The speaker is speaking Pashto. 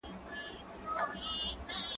زه به سبا ميوې وخورم؟!